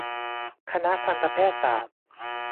คณะทันตแพทย์ศาสตร์